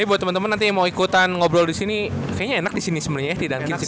ini buat temen temen nanti yang mau ikutan ngobrol disini kayaknya enak disini sebenernya ya di dalam kiri sini